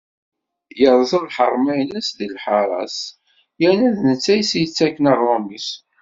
Yeṛẓa lḥerma-ines deg lḥara-s yerna d netta i as-yettakken aɣṛum-is.